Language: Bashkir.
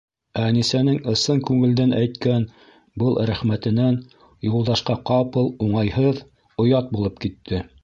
Әнисәнең ысын күңелдән әйткән был рәхмәтенән Юлдашҡа ҡапыл уңайһыҙ, оят булып китте.